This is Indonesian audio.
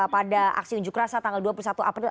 pada aksi unjuk rasa tanggal dua puluh satu april